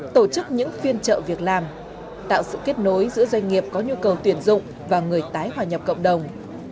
tổ chức những phiên trợ việc làm tạo sự kết nối giữa doanh nghiệp có nhu cầu tuyển dụng và người tái hòa nhập cộng đồng